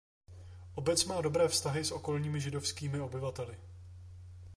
Obec má dobré vztahy s okolními židovskými obyvateli.